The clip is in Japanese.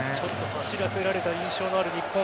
走らせられた印象のある日本。